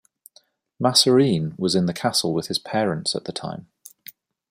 Massereene was in the castle with his parents at the time.